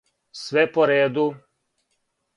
Све по реду!